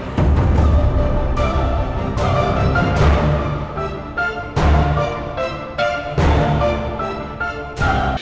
gak gak mungkin